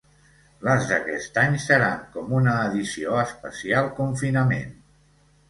Les d’aquest any seran com una ‘edició especial confinament’.